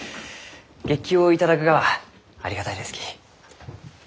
月給を頂くがはありがたいですき。